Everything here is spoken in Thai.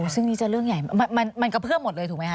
ซึ่งนี้จะเรื่องใหญ่มันกระเพื่อมหมดเลยถูกไหมค